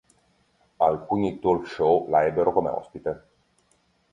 Alcuni "talk-show" la ebbero come ospite.